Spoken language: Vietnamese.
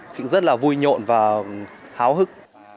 cũng rất là vui nhộn và háo hức